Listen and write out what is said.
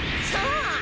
そう！